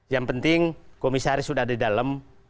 yang penting komisaris sudah ada di dalam